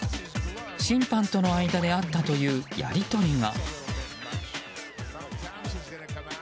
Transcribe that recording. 審判との間であったというやり取りが。